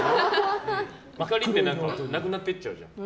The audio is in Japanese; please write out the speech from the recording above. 怒りってなくなっていっちゃうじゃん。